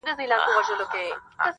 وايي د مُلا کتاب خاص د جنتونو باب.!